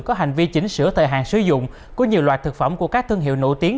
có hành vi chỉnh sửa thời hạn sử dụng của nhiều loại thực phẩm của các thương hiệu nổi tiếng